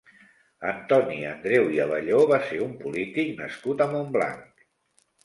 Antoni Andreu i Abelló va ser un polític nascut a Montblanc.